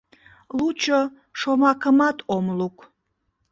Лучо шомакымат ом лук...